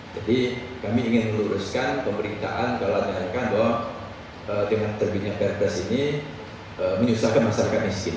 jadi kami ingin menuruskan pemerintahan kalau mereka bahwa dengan terbunyi k satu ini menyusahkan masyarakat miskin